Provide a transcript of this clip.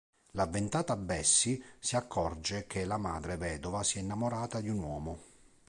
L'avventata Bessie si accorge che la madre vedova si è innamorata di un uomo.